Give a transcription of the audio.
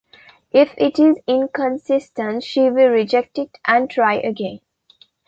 If it is inconsistent, she will reject it and try again.